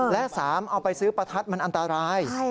และ๓เอาไปซื้อประทัดมันอันตราย